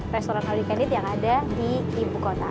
restoran all you can eat yang ada di ibu kota